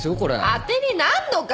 当てになんのかよ。